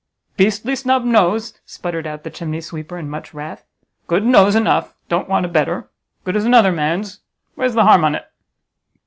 "Beastly snub nose!" sputtered out the chimneysweeper in much wrath, "good nose enough; don't want a better; good as another man's. Where's the harm on't?"